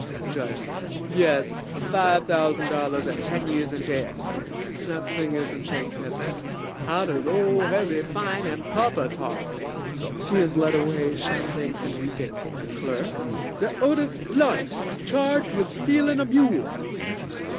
JUDGE Yes, five thousand dollars and ten years in jail. (Snaps fingers and shakes hips) How does ole heavy fining papa talk? (She is led away, shouting and weeping) CLERK De Otis Blunt, charged wid stealin' a mule.